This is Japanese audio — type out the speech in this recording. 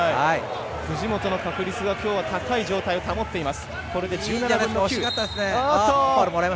藤本の確率が、きょうは高い状態を保っています。